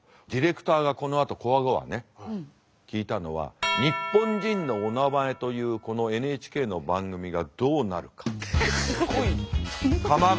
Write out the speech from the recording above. ディレクターがこのあとこわごわ聞いたのは「日本人のおなまえ」というこのＮＨＫの番組がどうなるか。